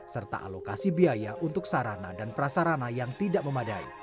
serta alokasi biaya untuk sarana dan prasarana yang tidak memadai